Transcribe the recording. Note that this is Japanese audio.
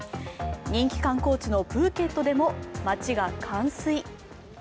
人気観光地のプーケットでも街が冠水。